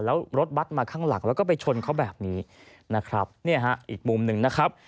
แล้วรถบัตรมาข้างหลังแล้วก็ไปชนเขาแบบนี้นะครับเนี่ยฮะอีกมุมหนึ่งนะครับ